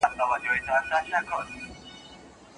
هغوی پخوا نورو ته بخښنه کوله.